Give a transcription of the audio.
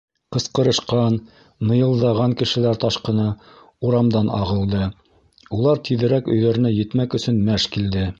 Ҡысҡырышҡан, ныйылдаған кешеләр ташҡыны урамдан ағылды, улар тиҙерәк өйҙәренә етмәк өсөн мәж килде.